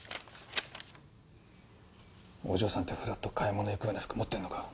お嬢さんってふらっと買い物行くような服持ってるのか？